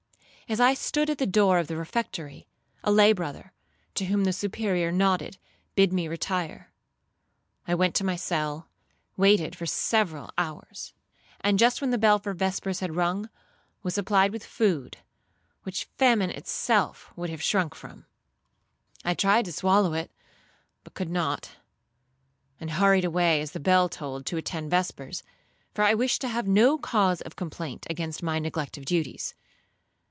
As I stood at the door of the refectory, a lay brother, to whom the Superior nodded, bid me retire. I went to my cell, waited for several hours, and just when the bell for vespers had rung, was supplied with food, which famine itself would have shrunk from. I tried to swallow it, but could not, and hurried away, as the bell tolled, to attend vespers; for I wished to have no cause of complaint against my neglect of duties.